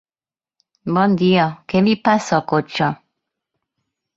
Bon dia, què li passa al cotxe?